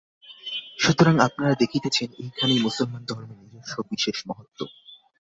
সুতরাং আপনারা দেখিতেছেন এইখানেই মুসলমান ধর্মের নিজস্ব বিশেষ মহত্ত্ব।